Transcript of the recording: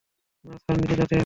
না স্যার, নীচু জাতের।